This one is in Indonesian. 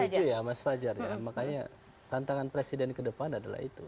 itu ya mas fajar ya makanya tantangan presiden ke depan adalah itu